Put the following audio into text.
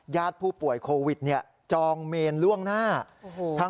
ญาติผู้ป่วยโควิดเนี่ยจองเมนล่วงหน้า